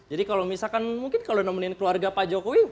jadi kalau misalkan mungkin kalau nemenin keluarga pak jokowi